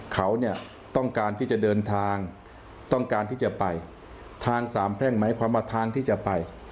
เขาเนี่ยต้องการที่จะเดินทางต้องการที่จะไปทางสามแพ่งหมายความว่าทางที่จะไป